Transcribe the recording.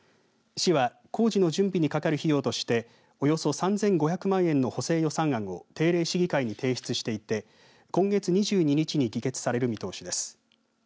市は工事の準備にかかる費用としておよそ３５００万円の補正予算案を定例市議会に提出していて今月２２日に議決される見通しです。